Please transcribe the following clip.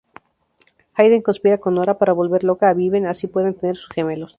Hayden conspira con Nora para volver loca a Vivien así pueden tener sus gemelos.